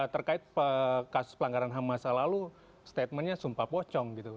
terkait kasus pelanggaran hamas lalu statementnya sumpah pocong gitu